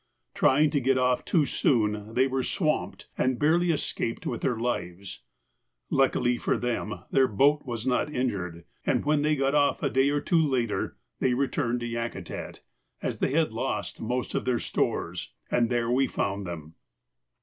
Trying to get off too soon, they were swamped, and barely escaped with their lives. Luckily for them their boat was not injured, and when they got off a day or two later, they returned to Yakutat, as they had lost most of their stores, and there we found them.